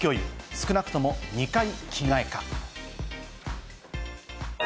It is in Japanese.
少なくとも２回着替えか。